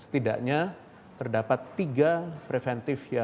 setidaknya terdapat tiga preventif varian baru